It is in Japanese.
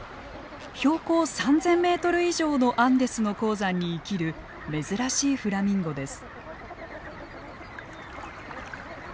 標高３，０００メートル以上のアンデスの高山に生きる珍しいフラミンゴです。